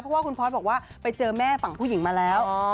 เพราะว่าคุณพอร์ตบอกว่าไปเจอแม่ฝั่งผู้หญิงมาแล้ว